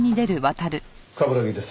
冠城です。